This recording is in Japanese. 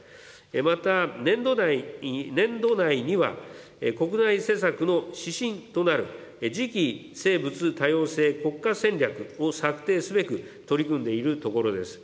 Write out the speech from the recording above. また、年度内には国内施策の指針となるじき生物多様性国家戦略を策定すべく、取り組んでいるところです。